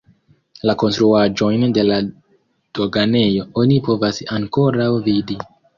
La konstruaĵojn de la doganejo oni povas ankoraŭ vidi.